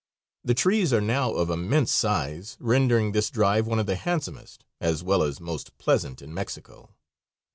The trees are now of immense size, rendering this drive one of the handsomest, as well as most pleasant, in Mexico.